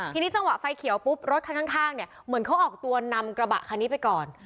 ทีนี้เวลาไฟเขียวปุ๊บรถข้างเหมือนเขาออกตัวนำกระบะคันนี้ไปก่อน